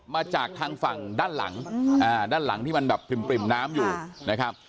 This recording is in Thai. มาจากทางฝั่งด้านหลังด้านหลังที่มันแบบปริ่มน้ำอยู่นะครับ